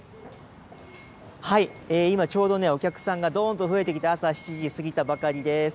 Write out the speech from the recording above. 今、ちょうどね、お客さんがどんどん増えてきて、朝７時迎えたばかりです。